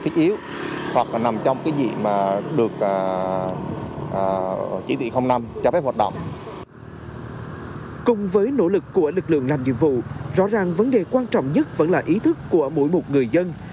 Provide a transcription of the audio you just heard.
cùng với nỗ lực của lực lượng làm nhiệm vụ rõ ràng vấn đề quan trọng nhất vẫn là ý thức của mỗi một người dân